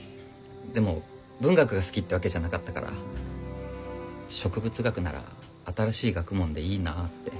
でも文学が好きってわけじゃなかったから植物学なら新しい学問でいいなあって。